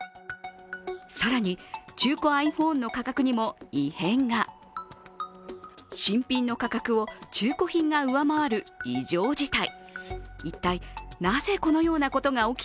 更に、中古ｉＰｈｏｎｅの価格にも異変が新品の価格を中古品が上回る異常事態。